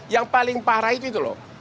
yang paling parah itu itu loh